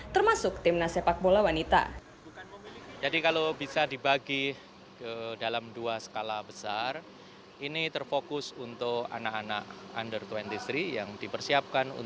termasuk timnas sepak bola wanita